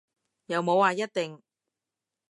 又冇話一定